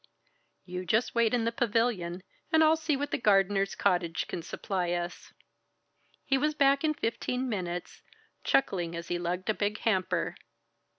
"You just wait in the pavilion, and I'll see what the gardener's cottage can supply us." He was back in fifteen minutes, chuckling as he lugged a big hamper.